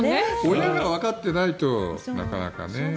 親がわかっていないとなかなかね。